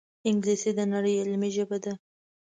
انګلیسي د نړۍ علمي ژبه ده